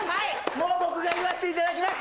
もう僕が言わせていただきます